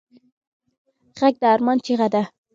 غږ د ارمان چیغه ده